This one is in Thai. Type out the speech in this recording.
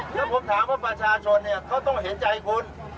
แล้วผมถามว่าประชาชนเขาต้องเห็นใจคุณ